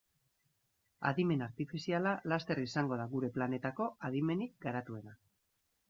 Adimen artifiziala laster izango da gure planetako adimenik garatuena.